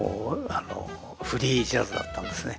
フリージャズだったんですね。